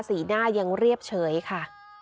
สีหน้ายังเรียบเฉยค่ะ